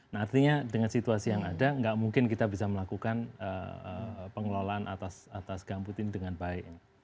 nah artinya dengan situasi yang ada nggak mungkin kita bisa melakukan pengelolaan atas gambut ini dengan baik